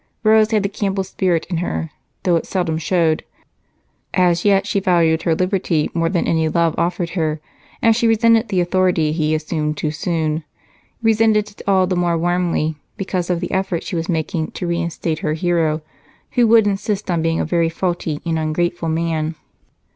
Rose had the Campbell spirit in her, though it seldom showed; as yet she valued her liberty more than any love offered her, and she resented the authority he assumed too soon resented it all the more warmly because of the effort she was making to reinstate her hero, who would insist on being a very faulty and ungrateful man.